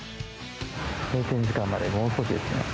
閉店時間までもう少しですね。